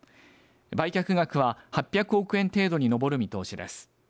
売却額は８００億円程度に上る見通しです。